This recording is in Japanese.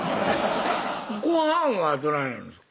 ごはんはどないなるんですか？